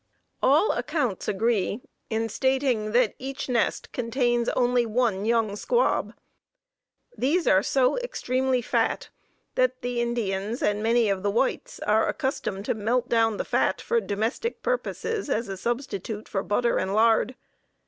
All accounts agree in stating that each nest contains only one young squab. These are so extremely fat that the Indians, and many of the whites, are accustomed to melt down the fat for domestic purposes as a substitute for butter and lard.